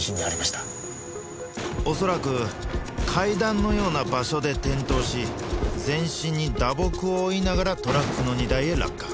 恐らく階段のような場所で転倒し全身に打撲を負いながらトラックの荷台へ落下。